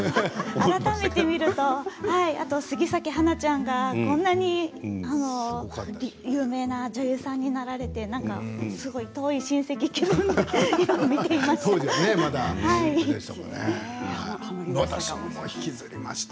改めて見ると杉咲花ちゃんがこんなに有名な女優さんになられて遠い親戚のような気持ちで見ていました。